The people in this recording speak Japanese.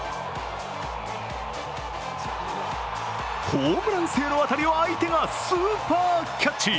ホームラン性の当たりを相手がスーパーキャッチ。